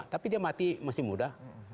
tapi dia mati masih muda